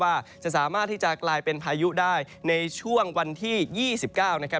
ว่าจะสามารถที่จะกลายเป็นพายุได้ในช่วงวันที่๒๙นะครับ